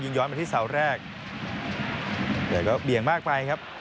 ย้อนไปที่เสาแรกแต่ก็เบี่ยงมากไปครับ